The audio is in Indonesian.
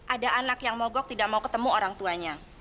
ada anak yang mogok tidak mau ketemu orang tuanya